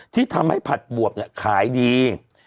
ที่ทำให้ผัดบวบขายดี